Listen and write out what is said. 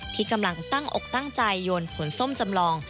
ที่กำลังตั้งอกตั้งใจโยนผลส้มจำลอง